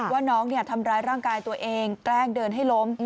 ว่าน้องทำร้ายร่างกายตัวเองแกล้งเดินให้ล้ม